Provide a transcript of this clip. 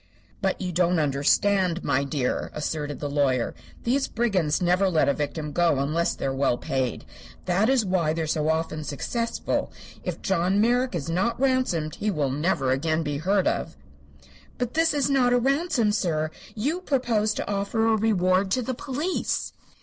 "But you don't understand, my dear," asserted the lawyer. "These brigands never let a victim go free unless they are well paid. That is why they are so often successful. If John Merrick is not ransomed he will never again be heard of." "But this is not a ransom, sir. You propose to offer a reward to the police."